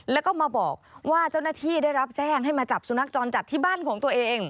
แล้วก็มาบอกว่าเจ้าหน้าที่ได้รับแจ้งให้มาจับสุนัขจรจัดที่บ้านของตัวเอง